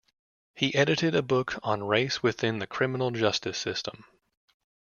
He edited a book on race within the criminal justice system.